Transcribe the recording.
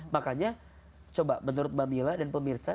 makanya coba menurut mbak mila dan pemirsa